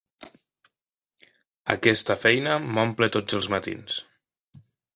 Aquesta feina m'omple tots els matins.